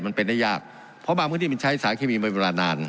มันเป็นได้ยากเพราะบางพื้นที่มันใช้สารเคมีมาเวลานาน